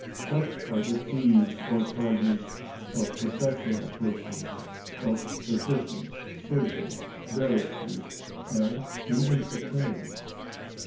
Such are the fees or charges of professional persons—of physicians, surgeons, barristers, and even attorneys.